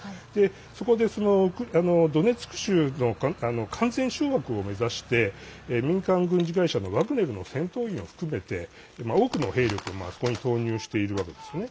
そこでドネツク州の完全掌握を目指して民間軍事会社のワグネルの戦闘員を含めて多くの兵力をそこに投入しているわけですよね。